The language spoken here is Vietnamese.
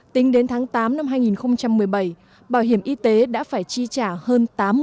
tính đến tháng tám năm hai nghìn một mươi bảy bảo hiểm y tế đã phải chi trả hơn